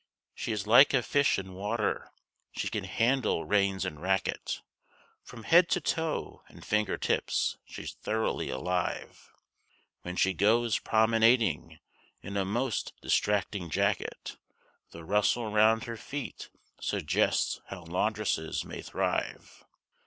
She is like a fish in water; she can handle reins and racket; From head to toe and finger tips she's thoroughly alive; When she goes promenading in a most distracting jacket, The rustle round her feet suggests how laundresses may thrive.